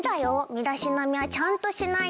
身だしなみはちゃんとしないと。